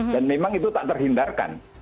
dan memang itu tak terhindarkan